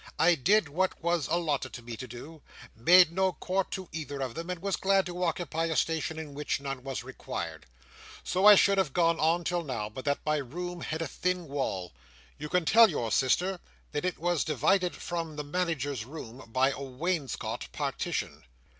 I did what was allotted to me to do, made no court to either of them, and was glad to occupy a station in which none was required. So I should have gone on till now, but that my room had a thin wall. You can tell your sister that it was divided from the Manager's room by a wainscot partition."